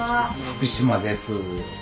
福嶋です。